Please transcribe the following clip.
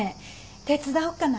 手伝おうかな。